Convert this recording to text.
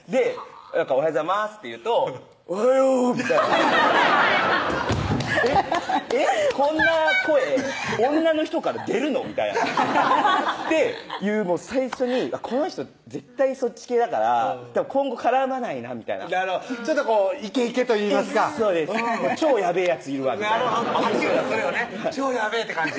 「おはようございます」って言うと「おはよう」えっこんな声女の人から出るの？みたいなっていう最初にこの人絶対そっち系だから今後絡まないなみたいなちょっとイケイケといいますかそうです超やべぇヤツいるわみたいな超やべぇって感じ